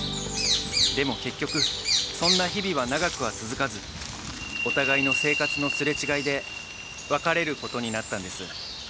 でも結局そんな日々は長くは続かずお互いの生活のすれ違いで別れる事になったんです。